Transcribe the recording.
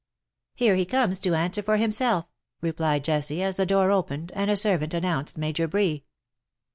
'^" Here he comes to answer for himself/^ replied Jessie, as the door opened, and a servant announced Major Bree.